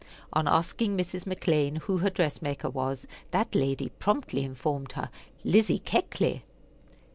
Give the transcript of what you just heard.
On asking Mrs. McClean who her dress maker was, that lady promptly informed her, "Lizzie Keckley."